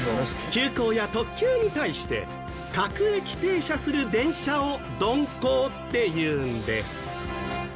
急行や特急に対して各駅停車する電車を「鈍行」っていうんです